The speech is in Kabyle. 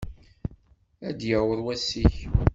Ad d-yaweḍ wass-ik.